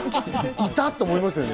いた！って思いますよね。